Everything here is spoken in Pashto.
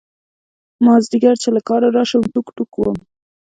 مازدیگر چې له کاره راشم ټوک ټوک وم.